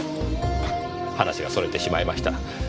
話が逸れてしまいました。